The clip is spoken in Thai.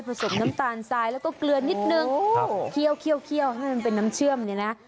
สมน้ำตาลทรายแล้วก็เกลือนิดนึงเคี่ยวให้มันเป็นน้ำเชื่อมเนี่ยนะ